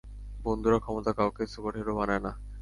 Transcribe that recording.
বন্ধুরা, ক্ষমতা কাউকে সুপারহিরো বানায় না।